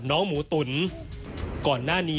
แม่จะมาเรียกร้องอะไร